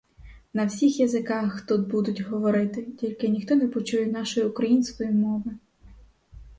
На всіх язиках тут будуть говорити, тільки ніхто не почує нашої української мови.